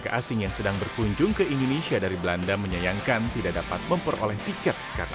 jawa sudah sedang mengetahui number of onlar cheque di j i expo access nawas selama beberapa ten juta go